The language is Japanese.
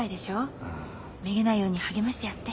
めげないように励ましてやって。